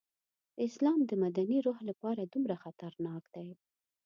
د اسلام د مدني روح لپاره دومره خطرناک دی.